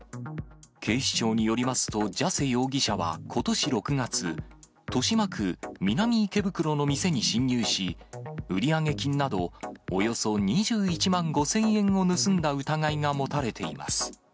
警視庁によりますと、ジャセ容疑者はことし６月、豊島区南池袋の店に侵入し、売上金など、およそ２１万５０００円を盗んだ疑いが持たれています。